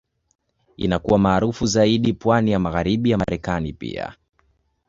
Inakuwa maarufu zaidi pwani ya Magharibi ya Marekani pia.